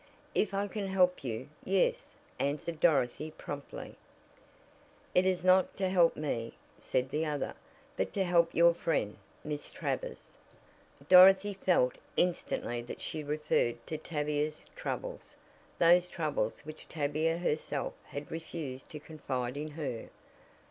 "If I can help you yes," answered Dorothy promptly. "It is not to help me," said the other, "but to help your friend, Miss Travers." Dorothy felt instantly that she referred to Tavia's troubles those troubles which Tavia herself had refused to confide in her.